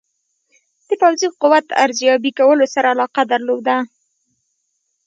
د پوځي قوت ارزیابي کولو سره علاقه درلوده.